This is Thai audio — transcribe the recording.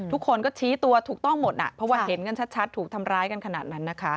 ทุกคนก็ชี้ตัวถูกต้องหมดเพราะว่าเห็นกันชัดถูกทำร้ายกันขนาดนั้นนะคะ